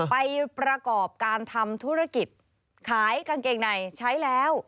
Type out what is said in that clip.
ไปประกอบการทำธุรกิจขายกางเกงในใช้แล้ว